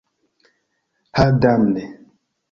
Ha damne!